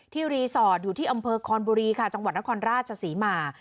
รีสอร์ทอยู่ที่อำเภอคอนบุรีค่ะจังหวัดนครราชศรีมา